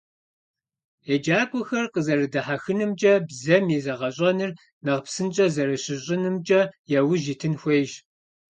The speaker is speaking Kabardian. ЕджакӀуэхэр къэзэрыдэхьэхынымкӀэ, бзэм и зэгъэщӀэныр нэхъ псынщӀэ зэращыщӀынымкӀэ яужь итын хуейщ.